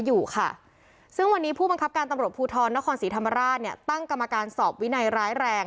ที่วันนี้ผู้บังคับกรรณ์ทำรวจภูทรนครศรีธรรมราชตั้งกรรมการสอบวินัยร้ายแรง